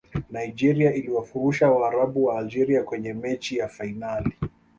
nigeria iliwafurusha waarabu wa algeria kwenye mechi ya fainali